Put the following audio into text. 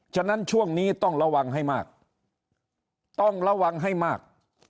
ฉะนั้นช่วงนี้ต้องระวังให้มากต้องระวังให้มาก